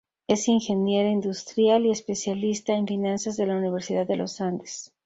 Es ingeniera industrial y especialista en finanzas de la Universidad de los Andes.